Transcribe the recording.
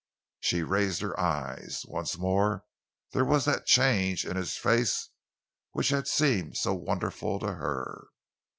She raised her eyes. Once more there was that change in his face which had seemed so wonderful to her.